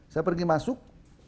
saya pergi masuk